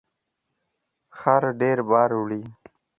خر ډیر بار وړي